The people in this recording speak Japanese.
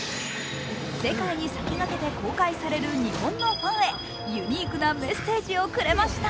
世界に先駆けて公開される日本のファンへ、ユニークなメッセージをくれました。